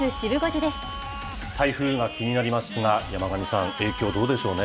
台風が気になりますが、山神さん、影響どうでしょうね？